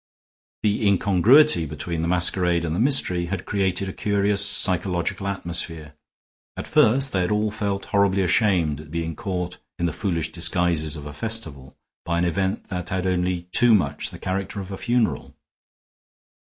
The incongruity between the masquerade and the mystery had created a curious psychological atmosphere. At first they had all felt horribly ashamed at being caught in the foolish disguises of a festival, by an event that had only too much the character of a funeral.